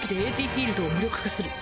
フィールドを無力化する。